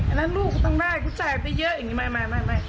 อันนั้นลูกก็ต้องได้ผู้ชายไปเยอะอย่างนี้ไม่